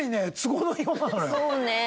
そうね。